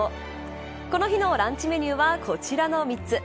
この日のランチメニューはこちらの３つ。